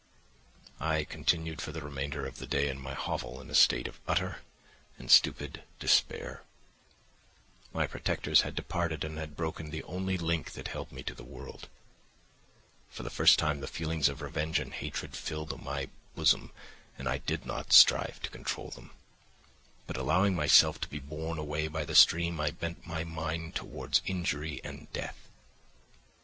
"I continued for the remainder of the day in my hovel in a state of utter and stupid despair. My protectors had departed and had broken the only link that held me to the world. For the first time the feelings of revenge and hatred filled my bosom, and I did not strive to control them, but allowing myself to be borne away by the stream, I bent my mind towards injury and death.